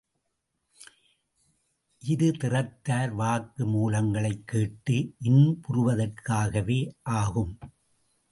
இருதிறத்தார் வாக்கு மூலங்களைக் கேட்டு இன்புறுவதற்காகவே ஆகும்.